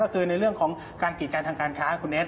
ก็คือในเรื่องของการกิจการทางการค้าคุณเนส